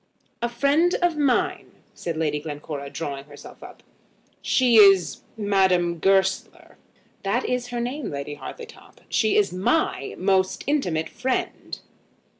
"A friend of mine," said Lady Glencora, drawing herself up. "She is , Madame Goesler." "That is her name, Lady Hartletop. She is my most intimate friend."